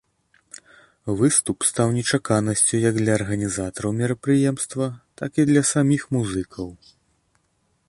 Выступ стаў нечаканасцю як для арганізатараў мерапрыемства, так і для саміх музыкаў.